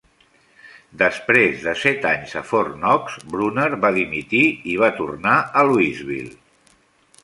Després de set anys a Fort Knox, Bruner va dimitir i va tornar a Louisville.